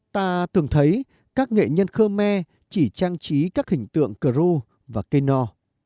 ta thường thấy các nghệ nhân khmer chỉ trang trí các hình tượng cờ ru và cây no